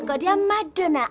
kok dia madona